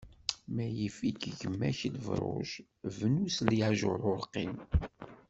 Ma yif-ik gma-k lebṛuj, bnu s lyajuṛ urqim.